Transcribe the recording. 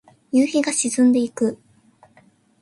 夕日が沈んでいく。